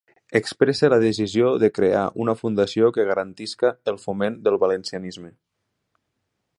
Expresse la decisió de crear una fundació que garantisca el foment del valencianisme.